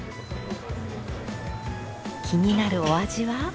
気になるお味は。